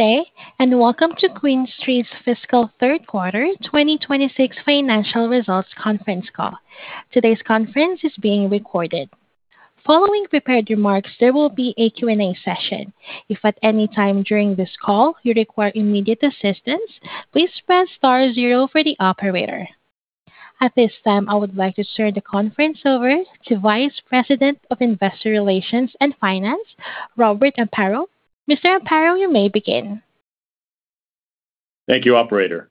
Welcome to QuinStreet's Fiscal Third Quarter 2026 financial results conference call. Today's conference is being recorded. Following prepared remarks, there will be a Q&A session. If at any time during this call you require immediate assistance, please press star 0 for the operator. At this time, I would like to turn the conference over to Vice President of Investor Relations and Finance, Robert Amparo. Mr. Amparo, you may begin. Thank you, operator,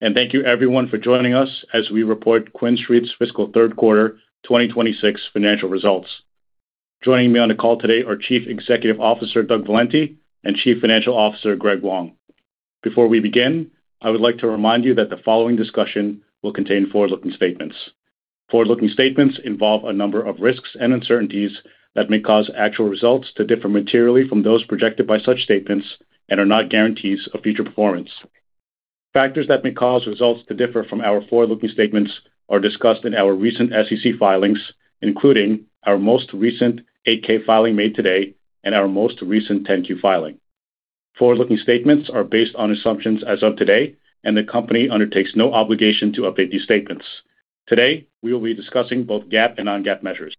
thank you everyone for joining us as we report QuinStreet's fiscal third quarter 2026 financial results. Joining me on the call today are Chief Executive Officer Doug Valenti and Chief Financial Officer Greg Wong. Before we begin, I would like to remind you that the following discussion will contain forward-looking statements. Forward-looking statements involve a number of risks and uncertainties that may cause actual results to differ materially from those projected by such statements and are not guarantees of future performance. Factors that may cause results to differ from our forward-looking statements are discussed in our recent SEC filings, including our most recent 8-K filing made today and our most recent 10-Q filing. Forward-looking statements are based on assumptions as of today, the company undertakes no obligation to update these statements. Today, we will be discussing both GAAP and non-GAAP measures.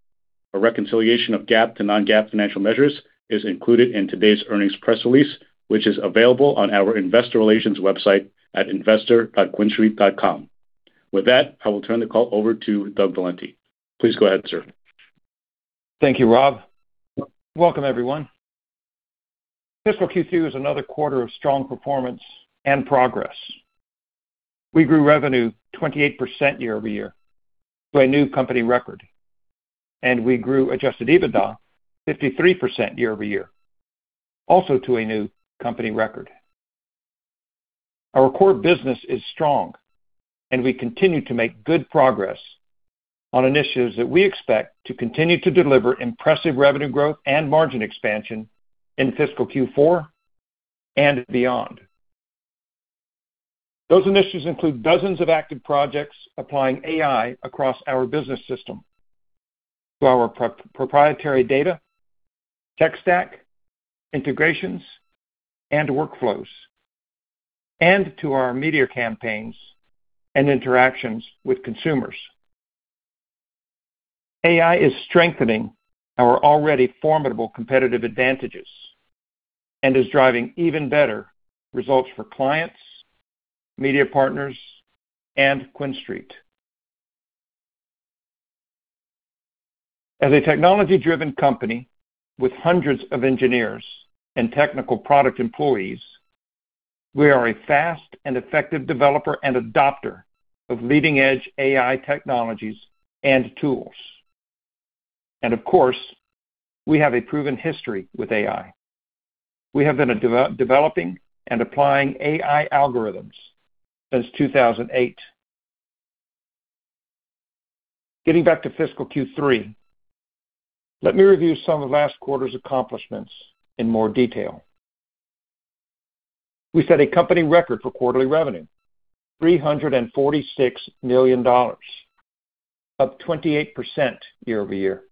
A reconciliation of GAAP to non-GAAP financial measures is included in today's earnings press release, which is available on our investor relations website at investor.quinstreet.com. With that, I will turn the call over to Doug Valenti. Please go ahead, sir. Thank you, Rob. Welcome, everyone. Fiscal Q2 is another quarter of strong performance and progress. We grew revenue 28% year-over-year to a new company record, and we grew adjusted EBITDA 53% year-over-year, also to a new company record. Our core business is strong, and we continue to make good progress on initiatives that we expect to continue to deliver impressive revenue growth and margin expansion in fiscal Q4 and beyond. Those initiatives include dozens of active projects applying AI across our business system to our proprietary data, tech stack, integrations and workflows, and to our media campaigns and interactions with consumers. AI is strengthening our already formidable competitive advantages and is driving even better results for clients, media partners, and QuinStreet. As a technology-driven company with hundreds of engineers and technical product employees, we are a fast and effective developer and adopter of leading-edge AI technologies and tools. Of course, we have a proven history with AI. We have been developing and applying AI algorithms since 2008. Getting back to fiscal Q3, let me review some of last quarter's accomplishments in more detail. We set a company record for quarterly revenue, $346 million, up 28% year-over-year.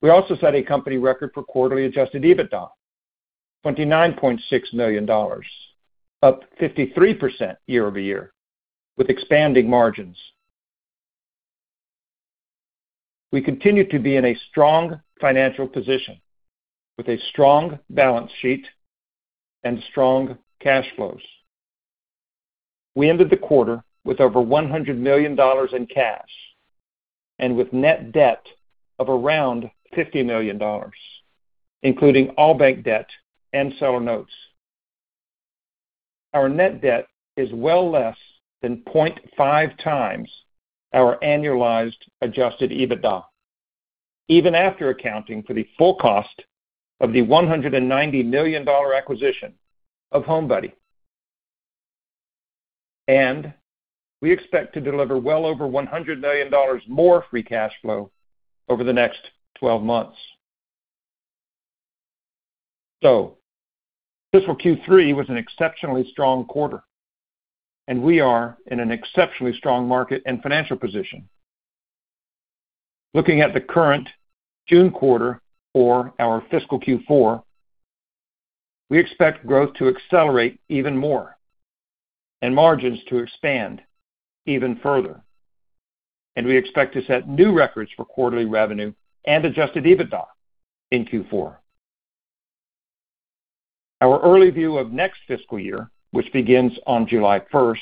We also set a company record for quarterly adjusted EBITDA, $29.6 million, up 53% year-over-year with expanding margins. We continue to be in a strong financial position with a strong balance sheet and strong cash flows. We ended the quarter with over $100 million in cash and with net debt of around $50 million, including all bank debt and seller notes. Our net debt is well less than 0.5x our annualized adjusted EBITDA, even after accounting for the full cost of the $190 million acquisition of HomeBuddy. We expect to deliver well over $100 million more free cash flow over the next 12 months. Fiscal Q3 was an exceptionally strong quarter, and we are in an exceptionally strong market and financial position. Looking at the current June quarter or our fiscal Q4, we expect growth to accelerate even more and margins to expand even further. We expect to set new records for quarterly revenue and adjusted EBITDA in Q4. Our early view of next fiscal year, which begins on July 1st,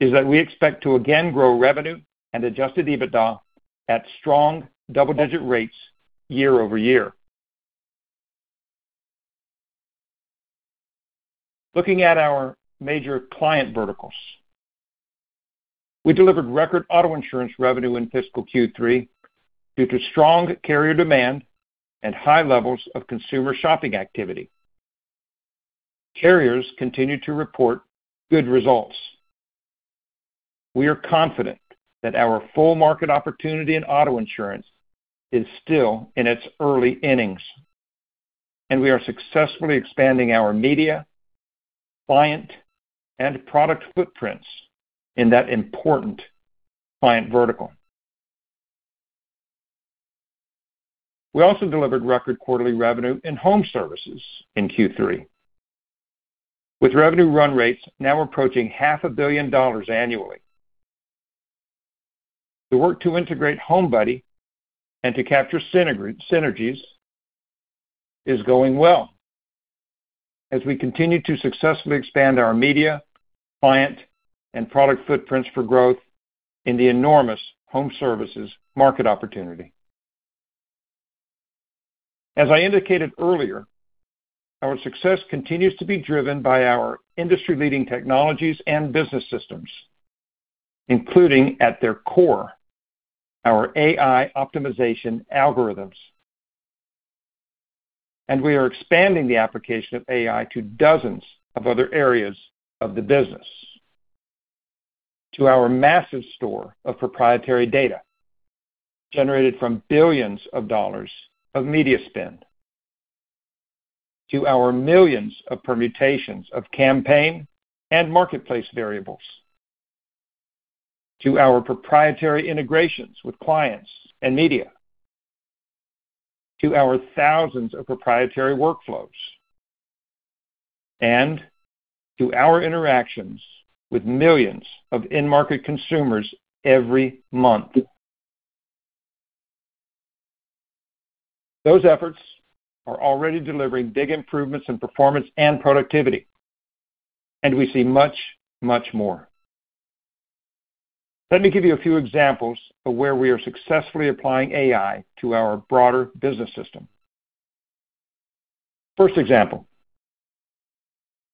is that we expect to again grow revenue and adjusted EBITDA at strong double-digit rates year-over-year. Looking at our major client verticals, we delivered record auto insurance revenue in fiscal Q3 due to strong carrier demand and high levels of consumer shopping activity. Carriers continue to report good results. We are confident that our full market opportunity in auto insurance is still in its early innings, and we are successfully expanding our media, client, and product footprints in that important client vertical. We also delivered record quarterly revenue in home services in Q3, with revenue run rates now approaching half a billion dollars annually. The work to integrate HomeBuddy and to capture synergies is going well as we continue to successfully expand our media, client, and product footprints for growth in the enormous home services market opportunity. As I indicated earlier, our success continues to be driven by our industry-leading technologies and business systems, including at their core, our AI optimization algorithms. We are expanding the application of AI to dozens of other areas of the business, to our massive store of proprietary data generated from billions of dollars of media spend, to our millions of permutations of campaign and marketplace variables, to our proprietary integrations with clients and media, to our thousands of proprietary workflows, and to our interactions with millions of in-market consumers every month. Those efforts are already delivering big improvements in performance and productivity, and we see much, much more. Let me give you a few examples of where we are successfully applying AI to our broader business system. First example,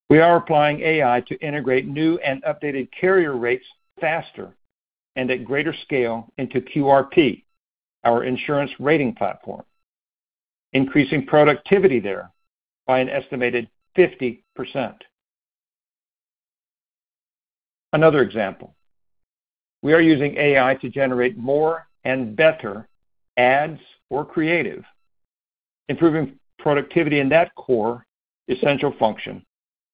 we are applying AI to integrate new and updated carrier rates faster and at greater scale into QRP, our insurance rating platform, increasing productivity there by an estimated 50%. Another example, we are using AI to generate more and better ads or creative, improving productivity in that core essential function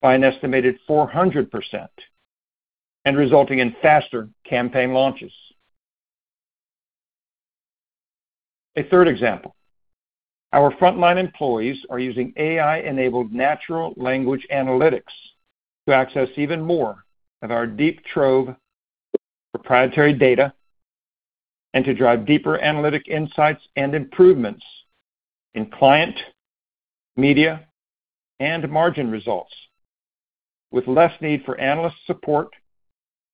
by an estimated 400% and resulting in faster campaign launches. A third example, our frontline employees are using AI-enabled natural language analytics to access even more of our deep trove proprietary data and to drive deeper analytic insights and improvements in client, media, and margin results with less need for analyst support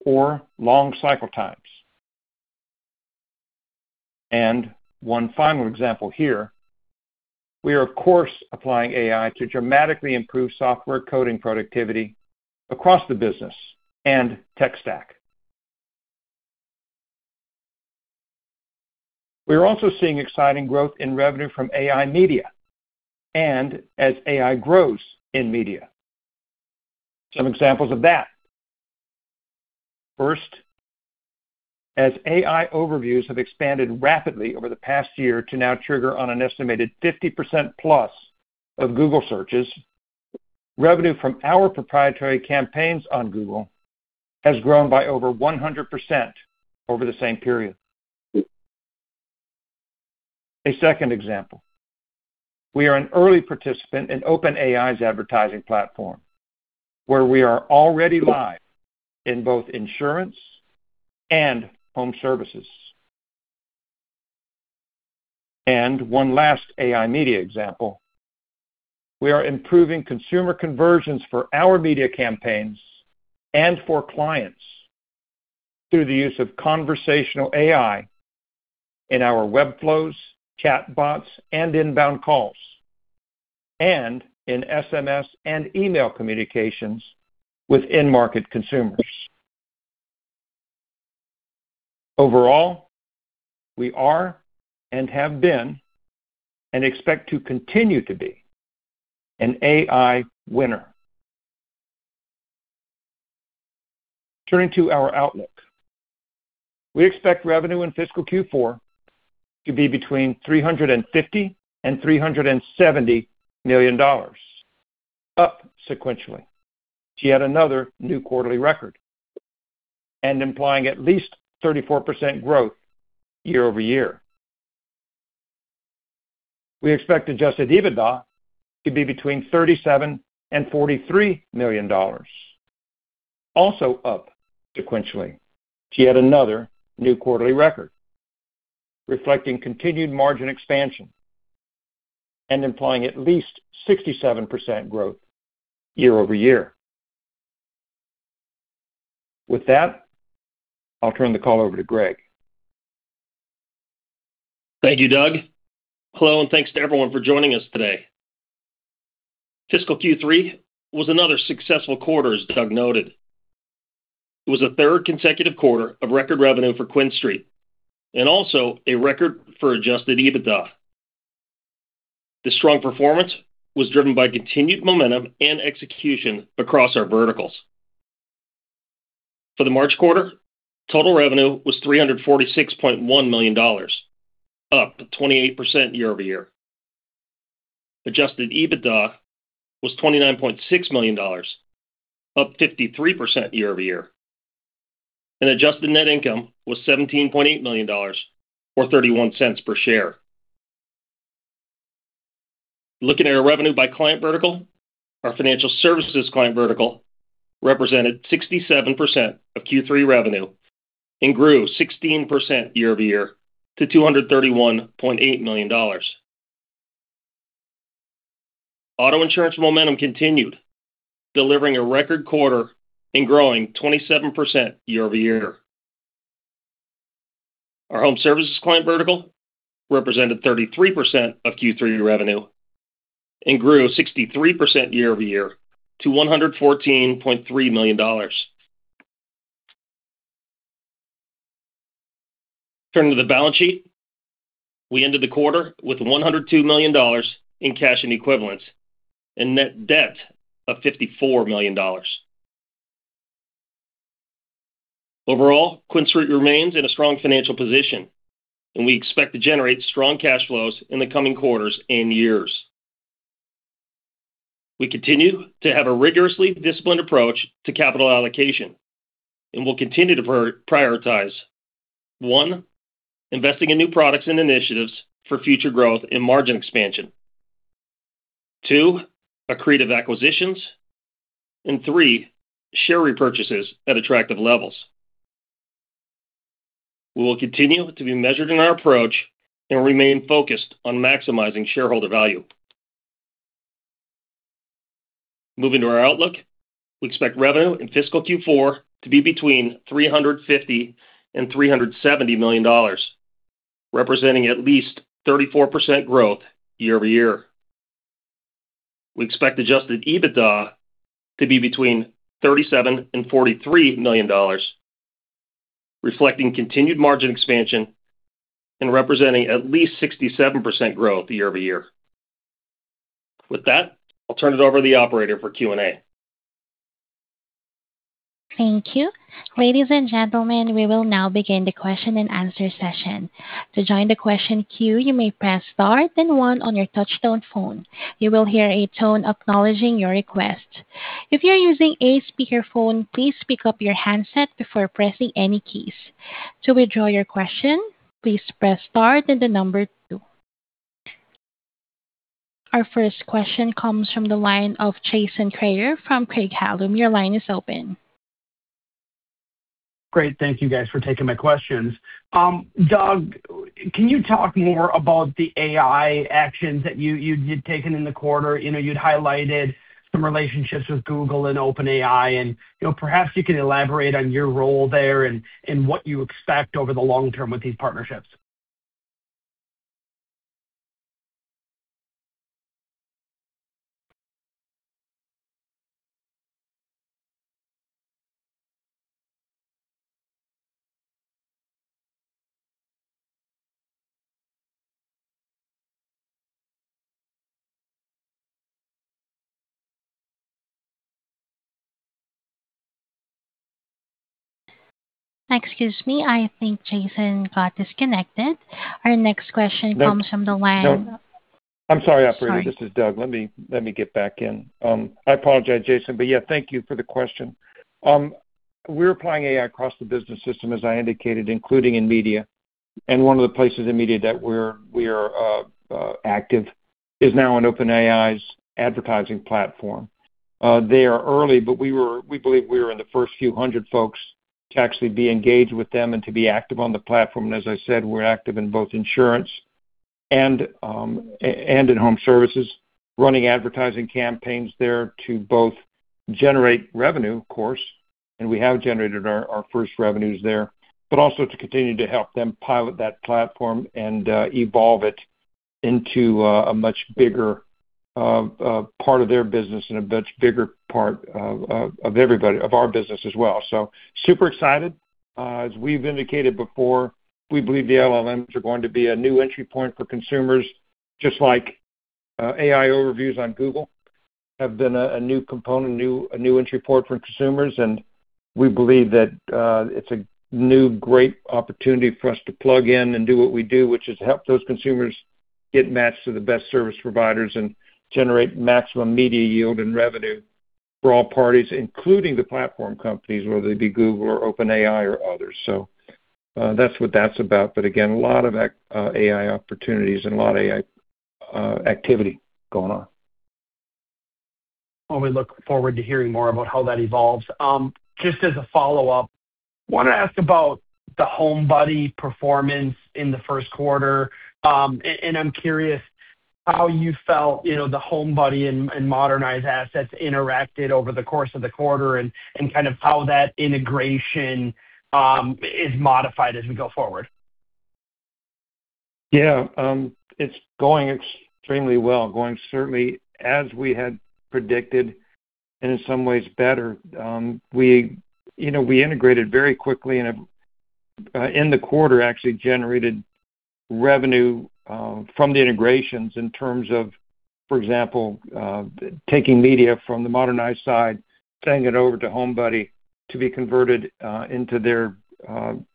or long cycle times. One final example here, we are of course applying AI to dramatically improve software coding productivity across the business and tech stack. We are also seeing exciting growth in revenue from AI media and as AI grows in media. Some examples of that. First, as AI Overviews have expanded rapidly over the past year to now trigger on an estimated 50%+ of Google searches, revenue from our proprietary campaigns on Google has grown by over 100% over the same period. A second example, we are an early participant in OpenAI's advertising platform, where we are already live in both insurance and home services. One last AI media example, we are improving consumer conversions for our media campaigns and for clients through the use of conversational AI in our web flows, chatbots, and inbound calls, and in SMS and email communications with in-market consumers. Overall, we are and have been and expect to continue to be an AI winner. Turning to our outlook. We expect revenue in fiscal Q4 to be between $350 million and $370 million, up sequentially to yet another new quarterly record and implying at least 34% growth year-over-year. We expect adjusted EBITDA to be between $37 million and $43 million, also up sequentially to yet another new quarterly record, reflecting continued margin expansion and implying at least 67% growth year-over-year. With that, I'll turn the call over to Greg. Thank you, Doug. Hello, thanks to everyone for joining us today. Fiscal Q3 was another successful quarter, as Doug noted. It was the third consecutive quarter of record revenue for QuinStreet and also a record for adjusted EBITDA. The strong performance was driven by continued momentum and execution across our verticals. For the March quarter, total revenue was $346.1 million, up 28% year-over-year. Adjusted EBITDA was $29.6 million, up 53% year-over-year. Adjusted net income was $17.8 million or $0.31 per share. Looking at our revenue by client vertical, our Financial Services client vertical represented 67% of Q3 revenue and grew 16% year-over-year to $231.8 million. Auto insurance momentum continued, delivering a record quarter and growing 27% year-over-year. Our Home Services client vertical represented 33% of Q3 revenue and grew 63% year-over-year to $114.3 million. Turning to the balance sheet, we ended the quarter with $102 million in cash and equivalents and net debt of $54 million. Overall, QuinStreet remains in a strong financial position and we expect to generate strong cash flows in the coming quarters and years. We continue to have a rigorously disciplined approach to capital allocation and will continue to prioritize, one, investing in new products and initiatives for future growth and margin expansion. Two, accretive acquisitions. Three, share repurchases at attractive levels. We will continue to be measured in our approach and remain focused on maximizing shareholder value. Moving to our outlook, we expect revenue in fiscal Q4 to be between $350 million and $370 million, representing at least 34% growth year-over-year. We expect adjusted EBITDA to be between $37 million and $43 million, reflecting continued margin expansion and representing at least 67% growth year-over-year. With that, I'll turn it over to the operator for Q&A. Thank you. Ladies and gentlemen, we will now begin the question-and-answer session. Our first question comes from the line of Jason Kreyer from Craig-Hallum. Your line is open. Great. Thank you guys for taking my questions. Doug, can you talk more about the AI actions that you'd taken in the quarter? You know, you'd highlighted some relationships with Google and OpenAI and, you know, perhaps you can elaborate on your role there and what you expect over the long term with these partnerships. Excuse me, I think Jason got disconnected. Our next question. No. Comes from the line- No. I'm sorry, operator. Sorry. This is Doug. Let me get back in. I apologize, Jason, yeah, thank you for the question. We're applying AI across the business system, as I indicated, including in media. One of the places in media that we are active is now on OpenAI's advertising platform. They are early, we believe we were in the first few hundred folks to actually be engaged with them and to be active on the platform. As I said, we're active in both insurance and in home services, running advertising campaigns there to both generate revenue, of course, and we have generated our first revenues there. Also to continue to help them pilot that platform and evolve it into a much bigger part of their business and a much bigger part of everybody of our business as well. Super excited. As we've indicated before, we believe the LLMs are going to be a new entry point for consumers, just like AI Overviews on Google have been a new component, a new entry point for consumers. We believe that it's a new great opportunity for us to plug in and do what we do, which is help those consumers get matched to the best service providers and generate maximum media yield and revenue for all parties, including the platform companies, whether they be Google or OpenAI or others. That's what that's about. Again, a lot of AI opportunities and a lot of AI activity going on. Well, we look forward to hearing more about how that evolves. Just as a follow-up, wanna ask about the HomeBuddy performance in the first quarter. I'm curious how you felt, you know, the HomeBuddy and Modernize assets interacted over the course of the quarter and kind of how that integration is modified as we go forward. It's going extremely well. Going certainly as we had predicted and in some ways better. We, you know, we integrated very quickly and in the quarter actually generated revenue from the integrations in terms of, for example, taking media from the Modernize side, sending it over to HomeBuddy to be converted into their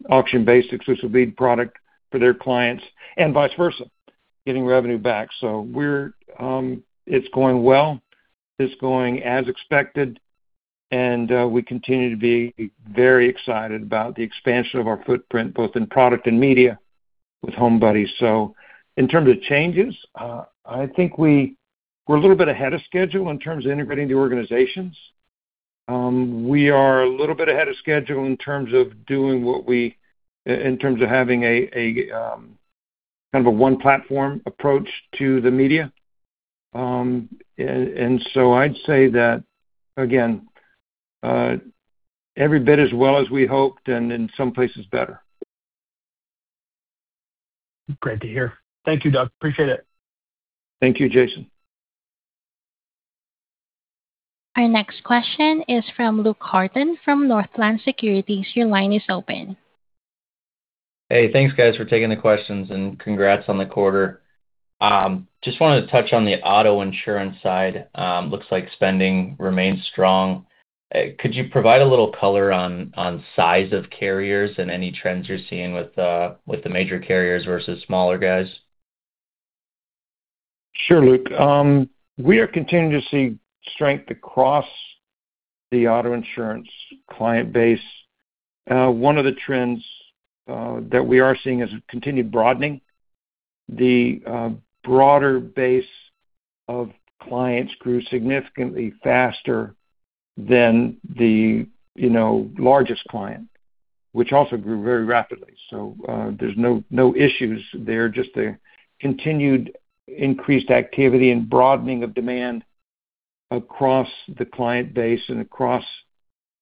auction-based exclusive lead product for their clients and vice versa, getting revenue back. It's going well, it's going as expected, and we continue to be very excited about the expansion of our footprint, both in product and media with HomeBuddy. In terms of changes, I think we're a little bit ahead of schedule in terms of integrating the organizations. We are a little bit ahead of schedule in terms of doing in terms of having a kind of a one-platform approach to the media. I'd say that, again, every bit as well as we hoped, and in some places better. Great to hear. Thank you, Doug. Appreciate it. Thank you, Jason. Our next question is from Luke Horton from Northland Securities. Your line is open. Hey, thanks, guys, for taking the questions, and congrats on the quarter. Just wanted to touch on the auto insurance side. Looks like spending remains strong. Could you provide a little color on size of carriers and any trends you're seeing with the major carriers versus smaller guys? Sure, Luke. We are continuing to see strength across the auto insurance client base. One of the trends that we are seeing is a continued broadening. The broader base of clients grew significantly faster than the, you know, largest client, which also grew very rapidly. There's no issues there, just a continued increased activity and broadening of demand across the client base and across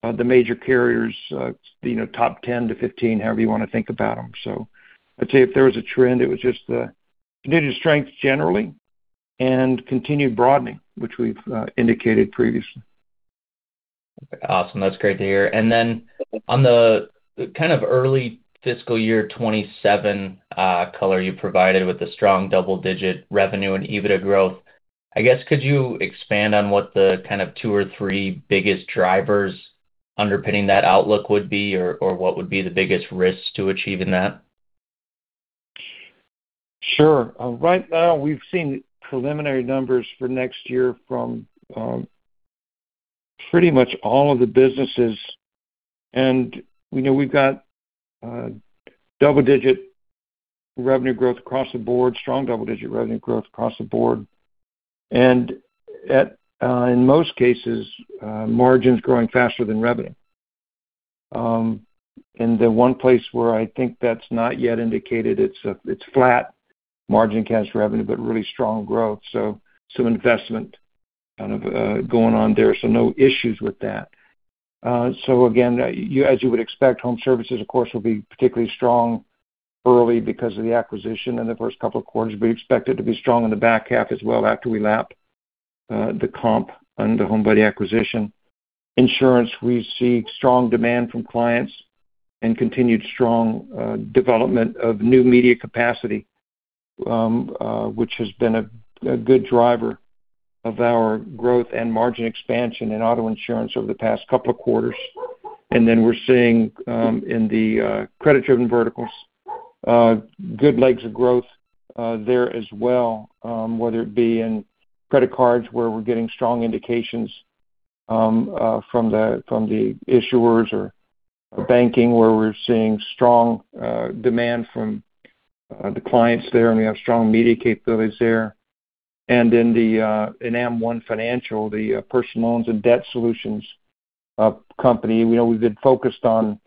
the major carriers, you know, top 10-15, however you wanna think about them. I'd say if there was a trend, it was just the continued strength generally and continued broadening, which we've indicated previously. Awesome. That's great to hear. Then on the kind of early fiscal year 2027 color you provided with the strong double-digit revenue and EBITDA growth, I guess could you expand on what the kind of two or three biggest drivers underpinning that outlook would be, or what would be the biggest risks to achieving that? Sure. Right now we've seen preliminary numbers for next year from pretty much all of the businesses. You know, we've got double-digit revenue growth across the board, strong double-digit revenue growth across the board. At in most cases, margins growing faster than revenue. The one place where I think that's not yet indicated, it's flat margin against revenue, but really strong growth, so some investment kind of going on there. No issues with that. Again, you, as you would expect, home services, of course, will be particularly strong early because of the acquisition in the first couple of quarters. We expect it to be strong in the back half as well after we lap the comp on the HomeBuddy acquisition. Insurance, we see strong demand from clients and continued strong development of new media capacity, which has been a good driver of our growth and margin expansion in auto insurance over the past couple quarters. We're seeing in the credit-driven verticals good legs of growth there as well, whether it be in credit cards, where we're getting strong indications from the issuers or banking, where we're seeing strong demand from the clients there, and we have strong media capabilities there. In AmONE, the personal loans and debt solutions company, we know we've been focused on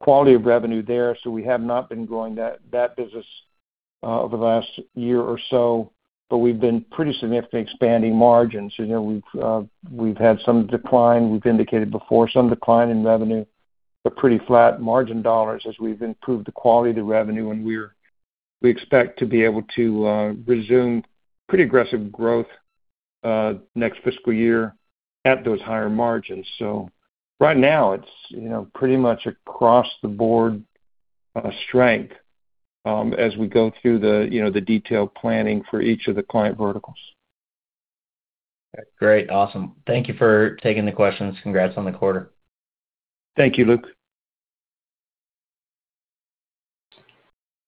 quality of revenue there, so we have not been growing that business over the last a year or so. We've been pretty significantly expanding margins. You know, we've had some decline, we've indicated before, some decline in revenue, but pretty flat margin dollars as we've improved the quality of the revenue. We expect to be able to resume pretty aggressive growth next fiscal year at those higher margins. Right now it's, you know, pretty much across-the-board strength as we go through the, you know, the detailed planning for each of the client verticals. Great. Awesome. Thank you for taking the questions. Congrats on the quarter. Thank you, Luke.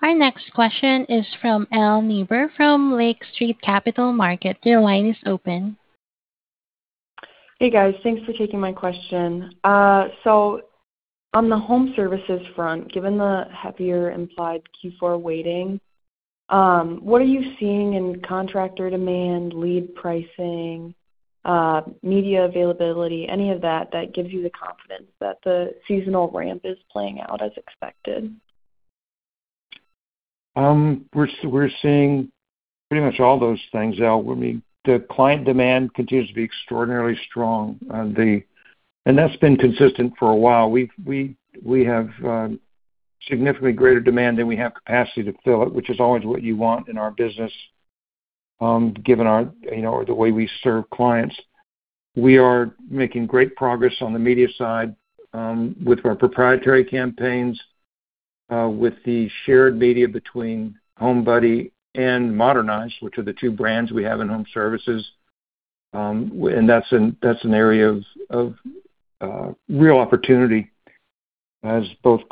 Our next question is from Elle Niebuhr from Lake Street Capital Markets. Your line is open. Hey, guys. Thanks for taking my question. On the home services front, given the heavier implied Q4 weighting, what are you seeing in contractor demand, lead pricing, media availability, any of that gives you the confidence that the seasonal ramp is playing out as expected? We're seeing pretty much all those things, Elle. The client demand continues to be extraordinarily strong. That's been consistent for a while. We have significantly greater demand than we have capacity to fill it, which is always what you want in our business, given our, you know, the way we serve clients. We are making great progress on the media side with our proprietary campaigns. With the shared media between HomeBuddy and Modernize, which are the two brands we have in Home Services, that's an area of real opportunity as both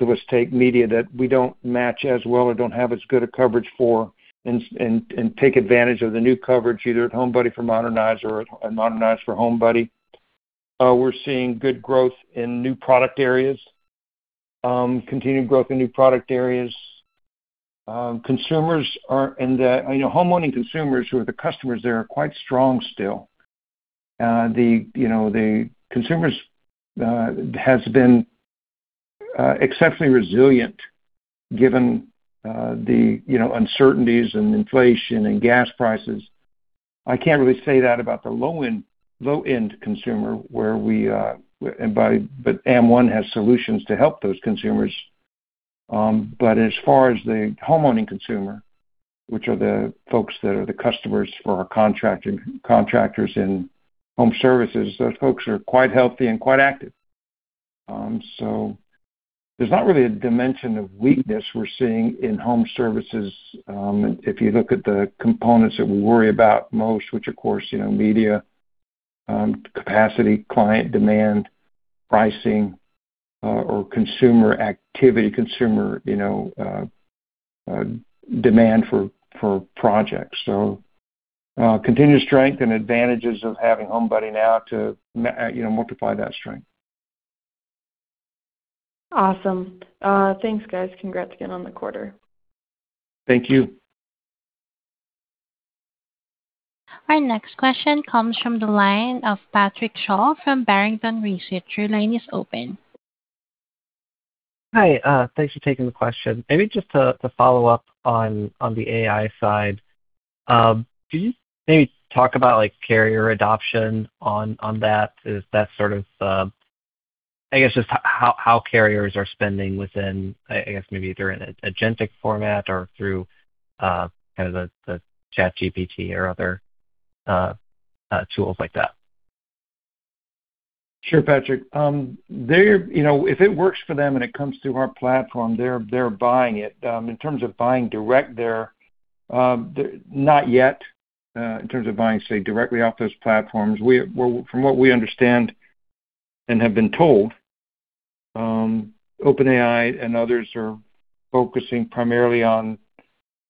of us take media that we don't match as well or don't have as good a coverage for and take advantage of the new coverage, either at HomeBuddy for Modernize or at Modernize for HomeBuddy. We're seeing good growth in new product areas, continued growth in new product areas. You know, homeowning consumers who are the customers there are quite strong still. The, you know, the consumers has been exceptionally resilient given the, you know, uncertainties and inflation and gas prices. I can't really say that about the low-end consumer where we, But AmONE has solutions to help those consumers. As far as the homeowning consumer, which are the folks that are the customers for our contractors in Home Services, those folks are quite healthy and quite active. There's not really a dimension of weakness we're seeing in Home Services, if you look at the components that we worry about most, which of course, you know, media, capacity, client demand, pricing, or consumer activity, consumer, you know, demand for projects. Continued strength and advantages of having HomeBuddy now to you know, multiply that strength. Awesome. Thanks, guys. Congrats again on the quarter. Thank you. Our next question comes from the line of Patrick Sholl from Barrington Research. Your line is open. Hi. Thanks for taking the question. Maybe just to follow up on the AI side, could you maybe talk about, like, carrier adoption on that? Is that sort of, I guess just how carriers are spending within, maybe either in an agentic format or through, kind of the ChatGPT or other tools like that? Sure, Patrick. They're, you know, if it works for them and it comes through our platform, they're buying it. In terms of buying direct there, they're not yet in terms of buying, say, directly off those platforms. We're From what we understand and have been told, OpenAI and others are focusing primarily on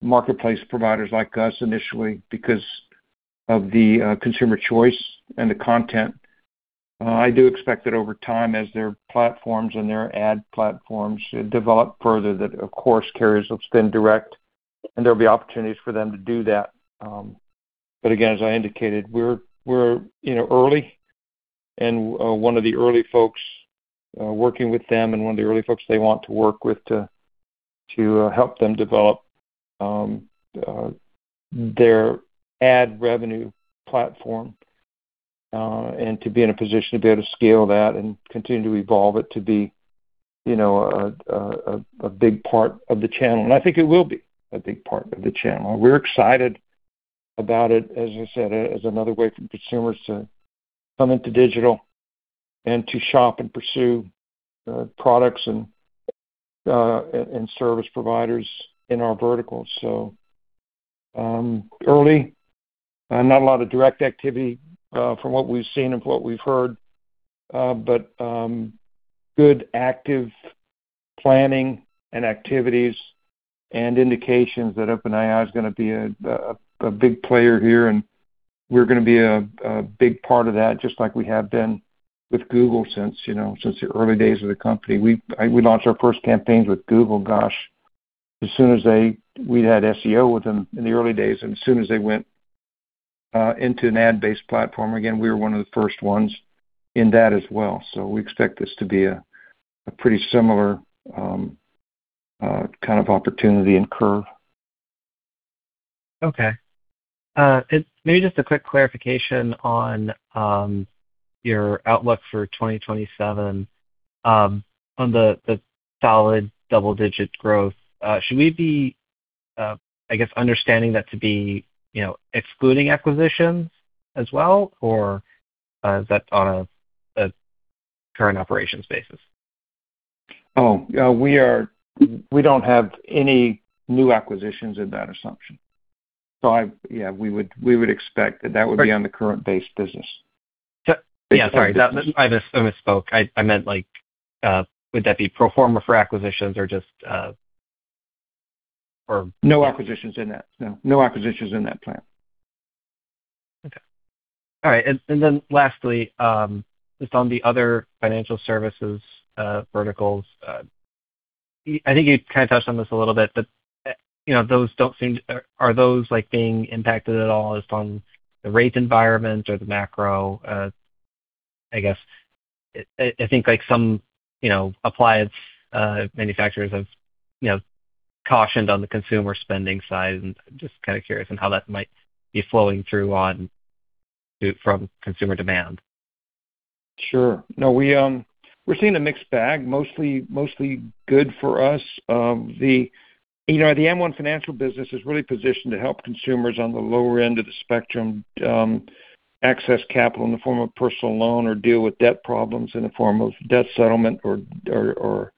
marketplace providers like us initially because of the consumer choice and the content. I do expect that over time, as their platforms and their ad platforms develop further, that of course carriers will spend direct, and there'll be opportunities for them to do that. Again, as I indicated, we're, you know, early and one of the early folks working with them and one of the early folks they want to work with to help them develop their ad revenue platform and to be in a position to be able to scale that and continue to evolve it to be, you know, a big part of the channel. I think it will be a big part of the channel. We're excited about it, as I said, as another way for consumers to come into digital and to shop and pursue products and service providers in our verticals. Early, not a lot of direct activity from what we've seen and from what we've heard. Good active planning and activities and indications that OpenAI is going to be a big player here, and we're going to be a big part of that, just like we have been with Google since, you know, since the early days of the company. We launched our first campaigns with Google, gosh, We had SEO with them in the early days, and as soon as they went into an ad-based platform, again, we were one of the first ones in that as well. We expect this to be a pretty similar kind of opportunity and curve. Okay. Maybe just a quick clarification on your outlook for 2027, on the solid double-digit growth. Should we be, I guess, understanding that to be, you know, excluding acquisitions as well? Is that on a current operations basis? We don't have any new acquisitions in that assumption. Yeah, we would expect that that would be on the current base business. Yeah, sorry. I misspoke. I meant, like, would that be pro forma for acquisitions or just. No acquisitions in that. No. No acquisitions in that plan. Okay. All right. Lastly, just on the other financial services verticals, I think you kind of touched on this a little bit. You know, are those, like, being impacted at all just on the rate environment or the macro, I guess? I think, like some, you know, appliance manufacturers have, you know, cautioned on the consumer spending side. I'm just kind of curious on how that might be flowing through from consumer demand. Sure. No, we're seeing a mixed bag, mostly good for us. You know, the AmONE Financial business is really positioned to help consumers on the lower end of the spectrum, access capital in the form of personal loan or deal with debt problems in the form of debt settlement or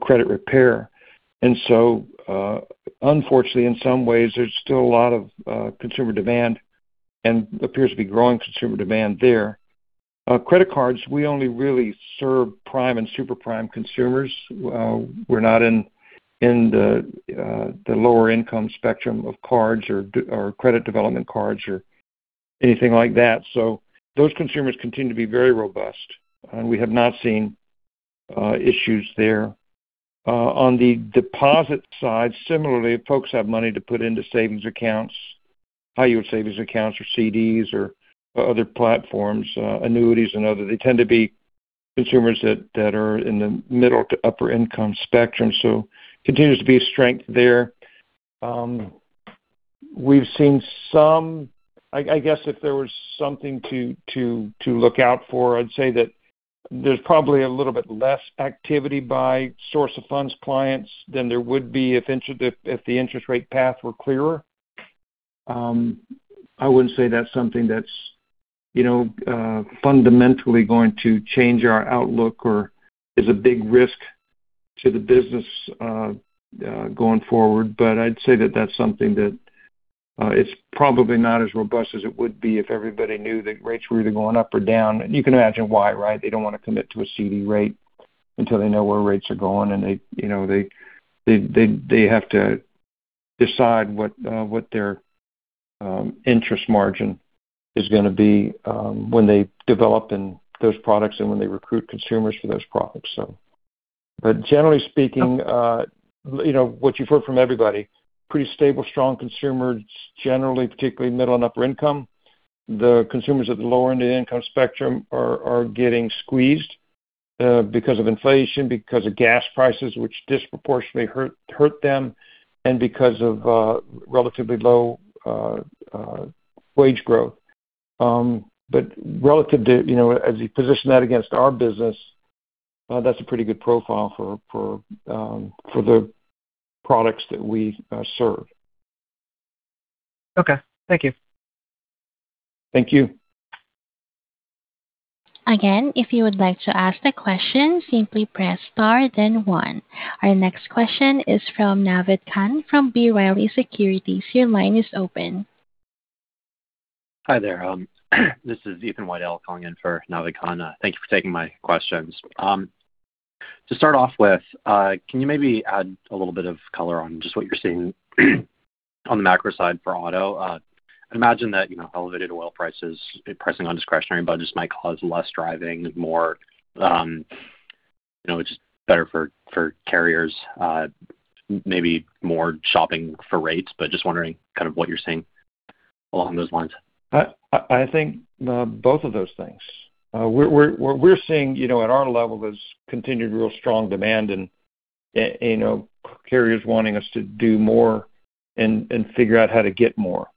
credit repair. Unfortunately, in some ways, there's still a lot of consumer demand and appears to be growing consumer demand there. Credit cards, we only really serve prime and super prime consumers. We're not in the lower income spectrum of cards or credit development cards or anything like that. Those consumers continue to be very robust, and we have not seen issues there. On the deposit side, similarly, folks have money to put into savings accounts, high yield savings accounts or CDs or other platforms, annuities and other. They tend to be consumers that are in the middle to upper income spectrum, so continues to be a strength there. We've seen some I guess if there was something to look out for, I'd say that there's probably a little bit less activity by source of funds clients than there would be if the interest rate path were clearer. I wouldn't say that's something that's, you know, fundamentally going to change our outlook or is a big risk to the business going forward. I'd say that that's something that it's probably not as robust as it would be if everybody knew that rates were either going up or down. You can imagine why, right? They don't wanna commit to a CD rate until they know where rates are going. They, you know, they have to decide what their interest margin is gonna be when they develop in those products and when they recruit consumers for those products, so. Generally speaking, you know, what you've heard from everybody, pretty stable, strong consumers, generally, particularly middle and upper income. The consumers at the lower end of the income spectrum are getting squeezed because of inflation, because of gas prices, which disproportionately hurt them, and because of relatively low wage growth. Relative to, you know, as you position that against our business, that's a pretty good profile for the products that we serve. Okay. Thank you. Thank you. Again, if you would like to ask a question, simply press star then one. Our next question is from Naved Khan from B. Riley Securities. Your line is open. Hi there. This is Ethan Waddell calling in for Naved Khan. Thank you for taking my questions. To start off with, can you maybe add a little bit of color on just what you're seeing on the macro side for auto? I imagine that, you know, elevated oil prices pressing on discretionary budgets might cause less driving, more, you know, which is better for carriers, maybe more shopping for rates. Just wondering kind of what you're seeing along those lines. I think both of those things. We're seeing, you know, at our level, there's continued real strong demand and, you know, carriers wanting us to do more and figure out how to get more.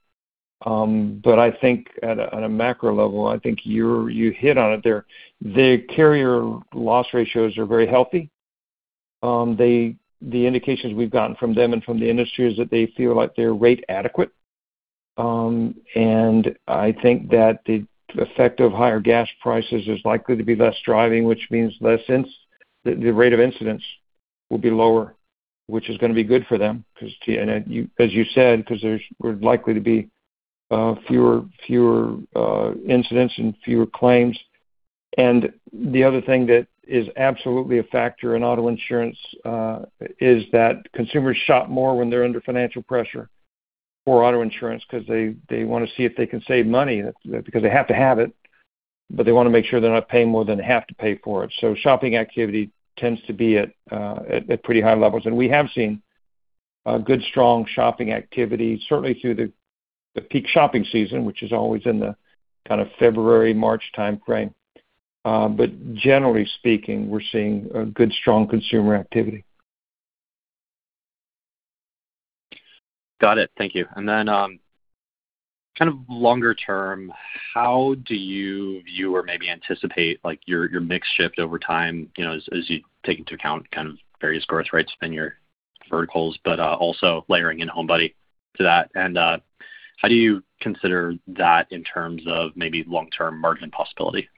I think at a macro level, I think you hit on it there. The carrier loss ratios are very healthy. The indications we've gotten from them and from the industry is that they feel like they're rate adequate. I think that the effect of higher gas prices is likely to be less driving, which means less the rate of incidents will be lower, which is gonna be good for them 'cause, and you as you said, 'cause we're likely to be fewer incidents and fewer claims. The other thing that is absolutely a factor in auto insurance is that consumers shop more when they're under financial pressure for auto insurance 'cause they wanna see if they can save money because they have to have it, but they wanna make sure they're not paying more than they have to pay for it. Shopping activity tends to be at pretty high levels. We have seen good, strong shopping activity, certainly through the peak shopping season, which is always in the kind of February, March timeframe. Generally speaking, we're seeing a good, strong consumer activity. Got it. Thank you. Then, kind of longer term, how do you view or maybe anticipate, like, your mix shift over time, you know, as you take into account kind of various growth rates in your verticals, but, also layering in HomeBuddy to that? How do you consider that in terms of maybe long-term margin possibility?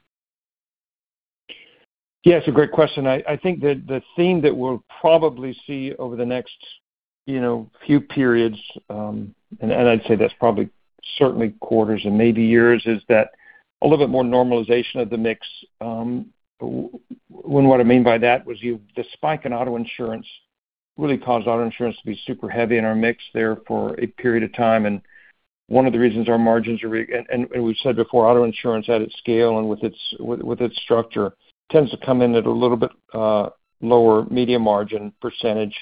Yeah, it's a great question. I think that the theme that we'll probably see over the next, you know, few periods, I'd say that's probably certainly quarters and maybe years, is that a little bit more normalization of the mix. What I mean by that was the spike in auto insurance really caused auto insurance to be super heavy in our mix there for a period of time. One of the reasons our margins are, we've said before, auto insurance at its scale and with its structure tends to come in at a little bit lower media margin percentage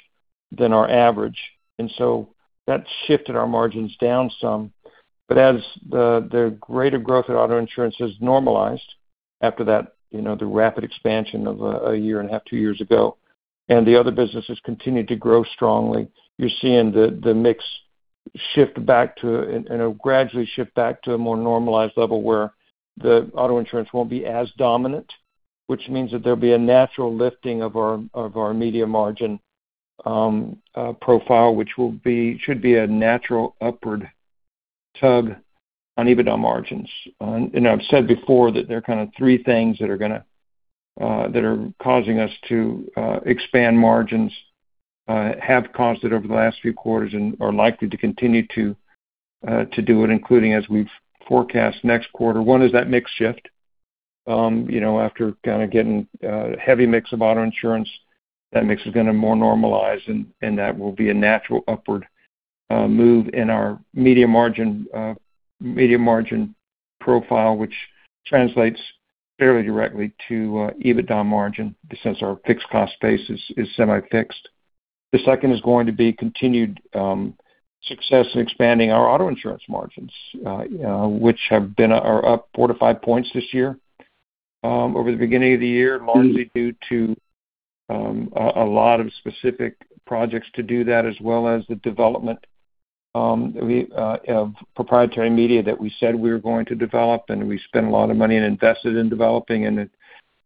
than our average. That shifted our margins down some. As the greater growth in auto insurance has normalized after that, you know, the rapid expansion of a year and a half, two years ago, and the other businesses continued to grow strongly, you're seeing the mix shift back to, and it'll gradually shift back to a more normalized level where the auto insurance won't be as dominant, which means that there'll be a natural lifting of our media margin profile, which should be a natural upward tug on EBITDA margins. I've said before that there are kind of three things that are gonna that are causing us to expand margins, have caused it over the last few quarters and are likely to continue to do it, including as we forecast next quarter. One is that mix shift. You know, after kind of getting heavy mix of auto insurance, that mix is going to more normalize and that will be a natural upward move in our media margin, media margin profile, which translates fairly directly to EBITDA margin since our fixed cost base is semi-fixed. The second is going to be continued success in expanding our auto insurance margins, which have been, are up four to five points this year over the beginning of the year, largely due to a lot of specific projects to do that, as well as the development of proprietary media that we said we were going to develop, and we spent a lot of money and invested in developing and it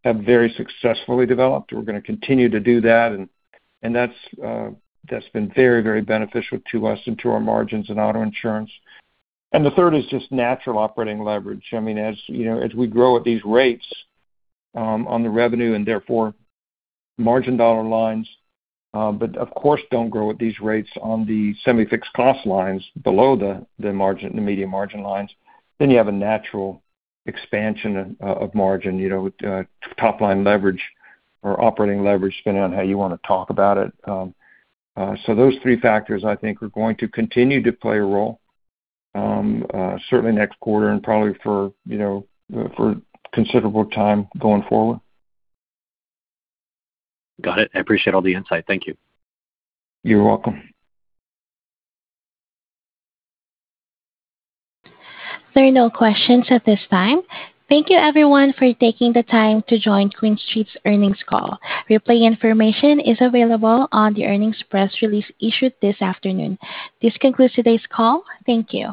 have very successfully developed. We're gonna continue to do that's been very, very beneficial to us and to our margins in auto insurance. The third is just natural operating leverage. I mean, as you know, as we grow at these rates on the revenue and therefore margin dollar lines, of course don't grow at these rates on the semi-fixed cost lines below the margin, the media margin lines, you have a natural expansion of margin, you know, top line leverage or operating leverage, depending on how you wanna talk about it. Those three factors I think are going to continue to play a role certainly next quarter and probably for, you know, for considerable time going forward. Got it. I appreciate all the insight. Thank you. You're welcome. There are no questions at this time. Thank you everyone for taking the time to join QuinStreet's earnings call. Replay information is available on the earnings press release issued this afternoon. This concludes today's call. Thank you.